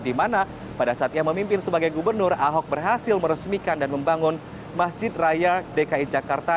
di mana pada saat ia memimpin sebagai gubernur ahok berhasil meresmikan dan membangun masjid raya dki jakarta